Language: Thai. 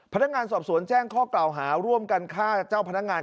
พนักงานสอบสวนแจ้งข้อกล่าวหาร่วมกันฆ่าเจ้าพนักงาน